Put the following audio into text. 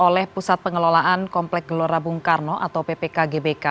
oleh pusat pengelolaan komplek gelora bung karno atau ppk gbk